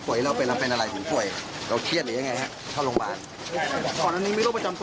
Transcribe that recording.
พอแล้วนึงไม่รู้ประจำตัวเลยก่อนด้วยก่อนครับ